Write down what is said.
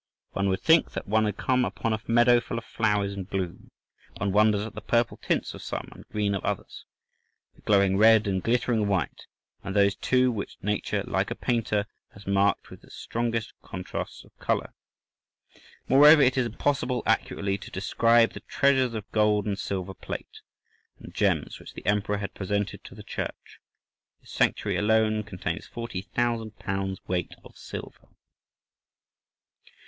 One would think that one had come upon a meadow full of flowers in bloom—one wonders at the purple tints of some, the green of others, the glowing red and glittering white, and those, too, which nature, like a painter, has marked with the strongest contrasts of colour. Moreover, it is impossible accurately to describe the treasures of gold and silver plate and gems which the Emperor has presented to the church: the Sanctuary alone contains forty thousand pounds weight of silver."